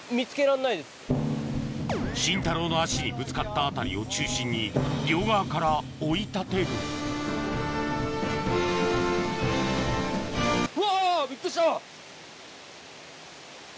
慎太郎の足にぶつかった辺りを中心に両側から追い立てる違う。